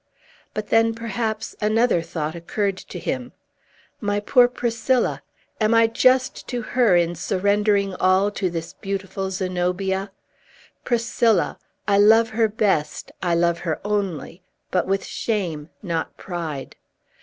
But then, perhaps, another thought occurred to him. "My poor Priscilla! And am I just to her, in surrendering all to this beautiful Zenobia? Priscilla! I love her best, I love her only! but with shame, not pride.